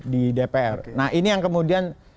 di dpr nah ini yang kemudian